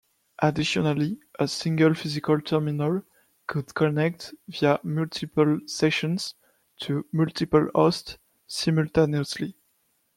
Additionally, a single physical terminal could connect via multiple sessions to multiple hosts simultaneously.